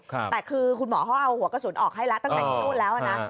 แต่คือคุณหมอเขาเอาหัวกระสุนออกให้แล้วตั้งแต่ที่นู่นแล้วนะ